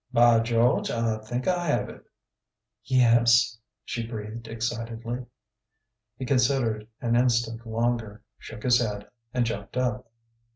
"By George, I think I have it!..." "Yes ?" she breathed excitedly. He considered an instant longer, shook his head, and jumped up.